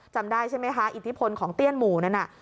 จำได้ใช่ไหมคะอิทธิพลของเตี้ยนหมู่นั้นน่ะ